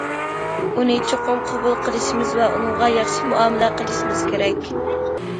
ئۇنى چوقۇم قوبۇل قىلىشىمىز ۋە ئۇنىڭغا ياخشى مۇئامىلە قىلىشىمىز كېرەك.